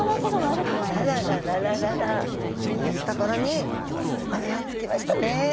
あららららいいところにお目をつけましたね。